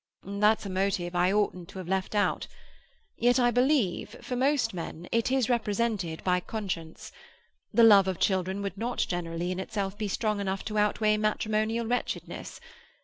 "That's a motive I oughtn't to have left out. Yet I believe, for most men, it is represented by conscience. The love of children would not generally, in itself, be strong enough to outweigh matrimonial wretchedness.